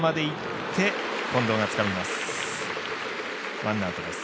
ワンアウトです。